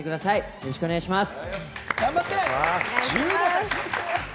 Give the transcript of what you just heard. よろしくお願いします。